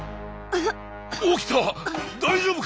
大丈夫か！？